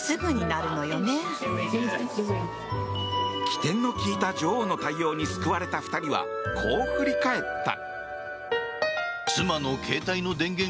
機転の利いた女王の対応に救われた２人はこう振り返った。